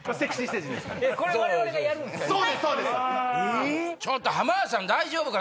これ我々がやるんですか？